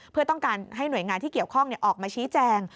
เพื่อต้องการให้หน่วยงานที่เกี่ยวข้องออกมาชี้แจง